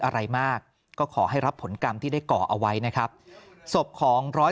อะไรมากก็ขอให้รับผลกรรมที่ได้ก่อเอาไว้นะครับศพของร้อย